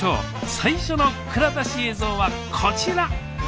最初の蔵出し映像はこちら。